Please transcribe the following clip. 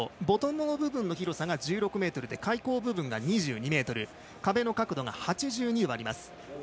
ボトムの部分の広さが１６ｍで開口部分が２２ｍ壁の角度が８２度あります。